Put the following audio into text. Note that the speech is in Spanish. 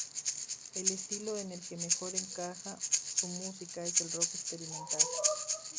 El estilo en el que mejor encaja su música es el rock experimental.